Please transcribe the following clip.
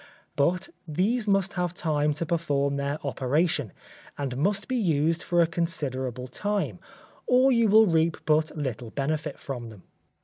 But these must have time to perform their operation, and must be used for a considerable time, or you will reap but little benefit from them.